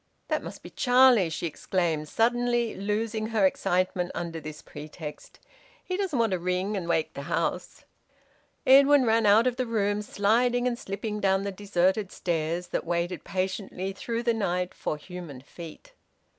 "That must be Charlie!" she exclaimed, suddenly loosing her excitement under this pretext. "He doesn't want to ring and wake the house." Edwin ran out of the room, sliding and slipping down the deserted stairs that waited patiently through the night for human feet.